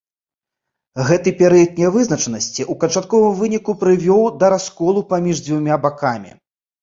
Гэты перыяд нявызначанасці ў канчатковым выніку прывёў да расколу паміж дзвюма бакамі.